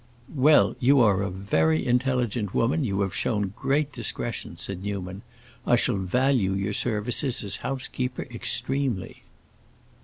"Well, you are a very intelligent woman; you have shown great discretion," said Newman. "I shall value your services as housekeeper extremely."